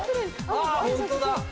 あぁホントだ。